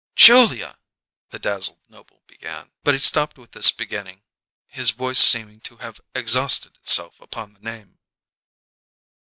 "Julia " the dazzled Noble began, but he stopped with this beginning, his voice seeming to have exhausted itself upon the name.